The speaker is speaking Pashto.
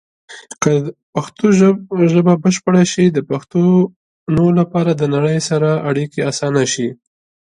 که پښتو ژبه بشپړه شي، د پښتنو لپاره د نړۍ سره اړیکې اسانه شي.